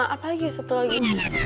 apa lagi ya satu lagi